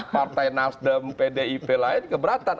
partai nasdem pdip lain keberatan